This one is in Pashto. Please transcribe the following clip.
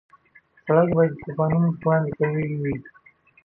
سړک باید د طوفانونو په وړاندې قوي وي.